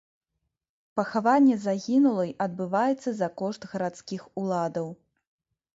Пахаванне загінулай адбываецца за кошт гарадскіх уладаў.